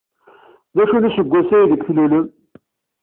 D acu n useggas aydeg d-tlulem?